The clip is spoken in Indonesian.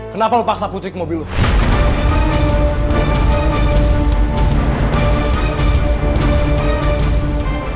kenapa lu paksa putri ke mobil lu